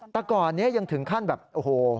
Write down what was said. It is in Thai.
แต่ก่อนนี้ยังถึงขั้นแบบโอ้โห